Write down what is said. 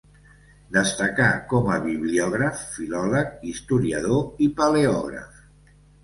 Destacà com a bibliògraf, filòleg, historiador i paleògraf.